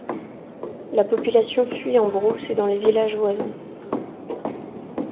La population fuit en brousse et dans les villages voisins.